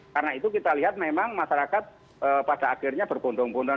karena itu kita lihat memang masyarakat pada akhirnya berbondong bondong